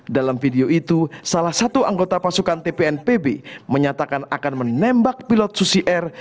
dalam video itu salah satu anggota pasukan tpnpb menyatakan akan menembak pilot susi air